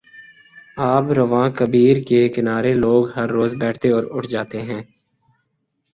آب روان کبیرکے کنارے لوگ ہر روز بیٹھتے اور اٹھ جاتے ہیں۔